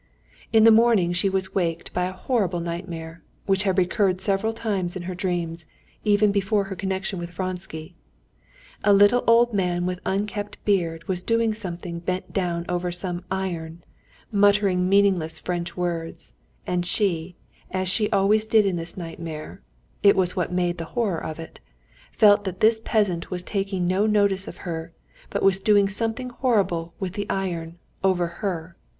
In the morning she was waked by a horrible nightmare, which had recurred several times in her dreams, even before her connection with Vronsky. A little old man with unkempt beard was doing something bent down over some iron, muttering meaningless French words, and she, as she always did in this nightmare (it was what made the horror of it), felt that this peasant was taking no notice of her, but was doing something horrible with the iron—over her.